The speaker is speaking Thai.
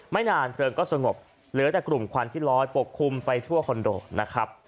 ไม่นานเพลิงก็สงบเหลือแต่กลุ่มควันที่ลอยปกคลุมไปทั่วคอนโดนะครับ